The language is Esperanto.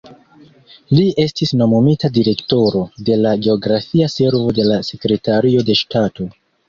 Li estis nomumita direktoro de la geografia servo de la Sekretario de Ŝtato.